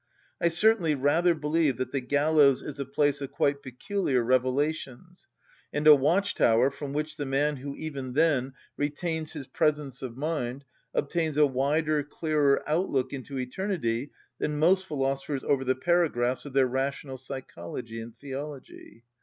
I certainly rather believe that the gallows is a place of quite peculiar revelations, and a watch‐tower from which the man who even then retains his presence of mind obtains a wider, clearer outlook into eternity than most philosophers over the paragraphs of their rational psychology and theology.